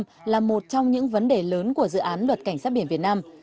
luật cảnh sát biển việt nam là một trong những vấn đề lớn của dự án luật cảnh sát biển việt nam